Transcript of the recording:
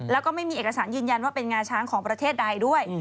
แล้วก็ไม่มีเอกสารยืนยันว่าเป็นงาช้างของประเทศใดด้วย